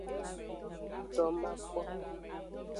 Domakpo.